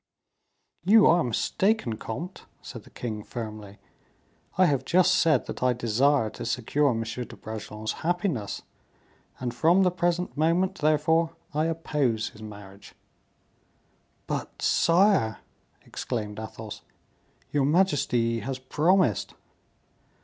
"You are mistaken, comte," said the king, firmly; "I have just said that I desire to secure M. de Bragelonne's happiness, and from the present moment, therefore, I oppose his marriage." "But, sire," exclaimed Athos, "your majesty has promised!"